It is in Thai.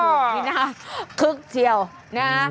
นี่นะครับคึกเที่ยวนะ